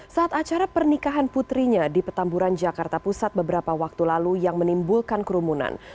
saat acara pernikahan putrinya di petamburan jakarta pusat beberapa waktu lalu yang menimbulkan kerumunan